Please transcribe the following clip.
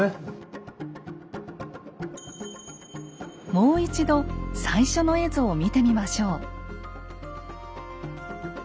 もう一度最初の絵図を見てみましょう。